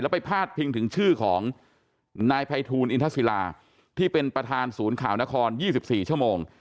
ไปพาดพิงถึงชื่อของนายภัยทูลอินทศิลาที่เป็นประธานศูนย์ข่าวนคร๒๔ชั่วโมง